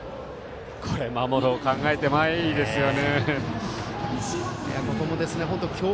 守る方は考えてないですよね。